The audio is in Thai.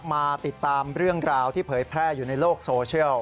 มาติดตามเรื่องราวที่เผยแพร่อยู่ในโลกโซเชียล